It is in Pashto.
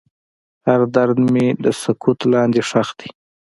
هر درد مې د سکوت لاندې ښخ دی.